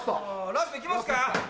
ラストいきますか？